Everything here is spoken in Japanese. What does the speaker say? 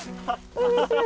こんにちは。